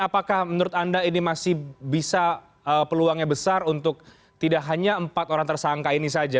apakah menurut anda ini masih bisa peluangnya besar untuk tidak hanya empat orang tersangka ini saja